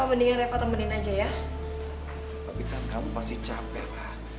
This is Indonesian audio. enggak lah biasa makan aja capek